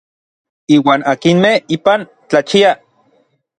Iuan akinmej ipan tlachiaj.